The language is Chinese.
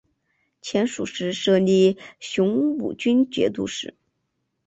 前蜀时设立雄武军节度使。